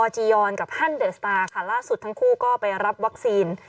จียอนกับฮันเดอร์สตาร์ค่ะล่าสุดทั้งคู่ก็ไปรับวัคซีน